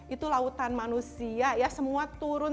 itu lautan manusia ya semua turun